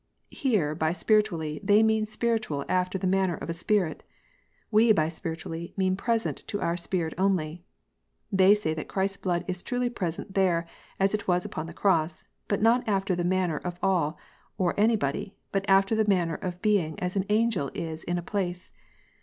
Here by spiritually, they mean spiritual after the manner of a spirit. We by spiritually, mean present to our spirit only. They say that Christ s body is truly present there as it was upon the Cross, but not after the manner of all or anybody, but after that manner of being as an angel is in a place.